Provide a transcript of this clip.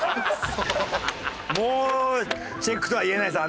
もうチェックとは言えないです